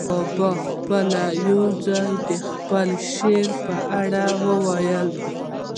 بابا پخپله یو ځای د خپل شعر په اړه وايي.